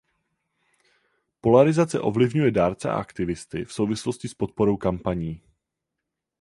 Polarizace ovlivňuje dárce a aktivisty v souvislosti s podporou kampaní.